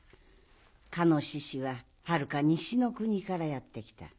かのシシははるか西の国からやって来た。